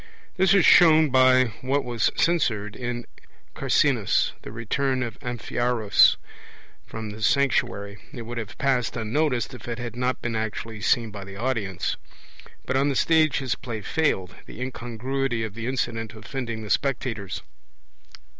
This is shown by what was censured in Carcinus, the return of Amphiaraus from the sanctuary; it would have passed unnoticed, if it had not been actually seen by the audience; but on the stage his play failed, the incongruity of the incident offending the spectators.